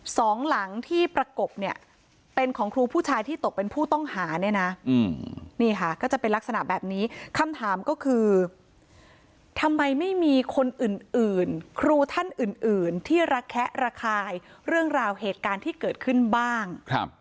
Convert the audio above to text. สองหลังที่ประกบเนี่ยเป็นของครูผู้ชายที่ตกเป็นผู้ต้องหาเนี่ยนะนี่ค่ะก็จะเป็นลักษณะแบบนี้คำถามก็คือทำไมไม่มีคนอื่นครูท่านอื่นที่ระแคะระคายเรื่องราวเหตุการณ์ที่เกิดขึ้นบ้าง